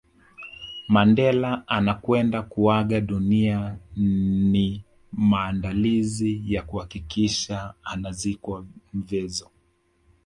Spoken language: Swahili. Mandela anakwenda kuaga dunia ni maandalizi ya kuhakikisha anazikwa Mvezo